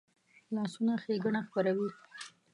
لاسونه ښېګڼه خپروي